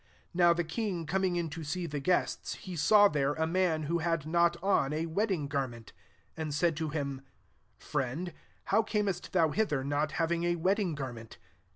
1^ Now the king coming in to se2 the guests, he saw there a ma^ who had not on a wedding gar2 ment; 12 and said to hin^ * Friend, how camest thou hl% ther, not having a wedding gar* ment